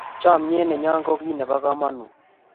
chamiet neyon ko kit nebo kamangut